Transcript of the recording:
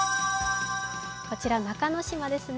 こちら、中之島ですね。